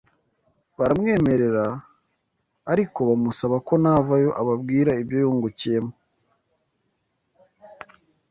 baramwemerera ariko bamusaba ko navayo ababwira ibyo yungukiyemo